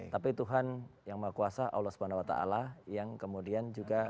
tapi tuhan yang mengkuasa allah swt yang kemudian juga